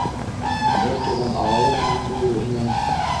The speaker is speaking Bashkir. Бер туған ағайыңмы инде ул һинең?